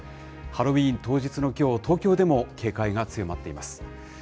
ハロウィーンの当日のきょう、東京でも警戒が強まっています。